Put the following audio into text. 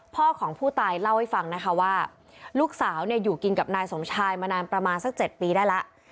พ่อของผู้ตายเล่าให้ฟังนะคะว่าลูกสาวเนี่ยอยู่กินกับนายสมชายมานานประมาณสัก๗ปีได้แล้ว